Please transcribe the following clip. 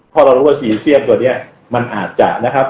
เพราะเรารู้ว่าซีเซียมตัวนี้มันอาจจะนะครับ